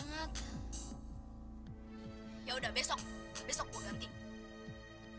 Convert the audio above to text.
nanti dia juga understant